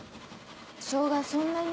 しょうがそんなに。